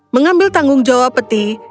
mengambil tanggung jawab peti